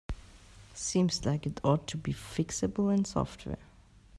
Seems like it ought to be fixable in software.